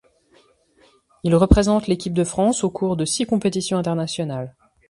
Il représente l'équipe de France au cours de six compétitions internationales.